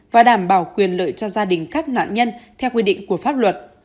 và đảm bảo quyền lợi cho gia đình các nạn nhân theo quy định của pháp luật